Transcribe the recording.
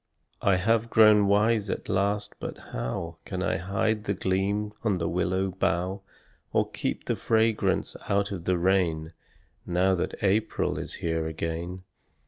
I have grown wise at last but how Can I hide the gleam on the willow bough, Or keep the fragrance out of the rain Now that April is here again?